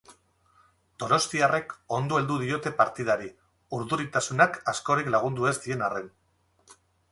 Donostiarrek ondo heldu diote partidari, urduritasunak askorik lagundu ez dien arren.